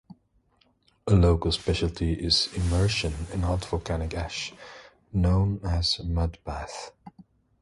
A local specialty is immersion in hot volcanic ash, known as a mud bath.